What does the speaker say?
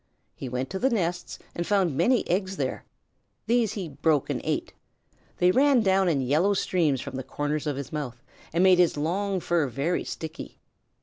He went to the nests and found many eggs there. These he broke and ate. They ran down in yellow streams from the corners of his mouth and made his long fur very sticky.